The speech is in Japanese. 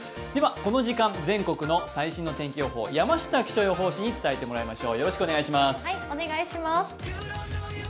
この時間全国の最新の天気予報、山下気象予報士に伝えてもらいましょう。